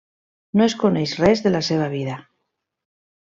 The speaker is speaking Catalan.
No es coneix res de la seva vida.